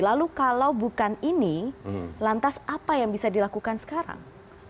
lalu kalau bukan ini lantas apa yang bisa dilakukan sekarang